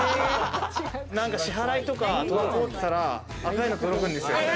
なんか支払いとか滞ったら、赤いの届くんですよ。